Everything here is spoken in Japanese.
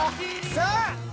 さあ。